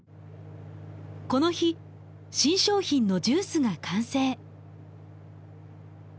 この日新商品のジュースが完成。